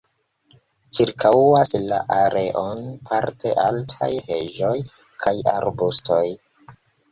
Ĉirkaŭas la areon parte altaj heĝoj kaj arbustoj.